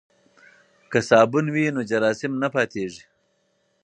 که صابون وي نو جراثیم نه پاتیږي.